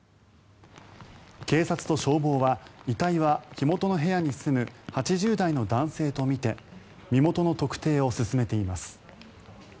警察と消防は遺体は火元の部屋に住む８０代の男性とみて身元の特定を進めています。